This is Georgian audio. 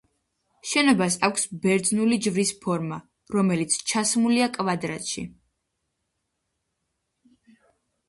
შენობას აქვს ბერძნული ჯვრის ფორმა, რომელიც ჩასმულია კვადრატში.